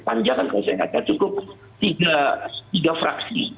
panja kan kalau saya katakan cukup tiga fraksi